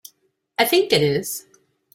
I think it is.